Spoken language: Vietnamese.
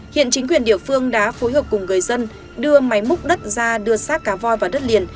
hiện chính quyền địa phương đã phối hợp cùng người dân đưa máy múc đất ra đưa sát cá voi vào đất liền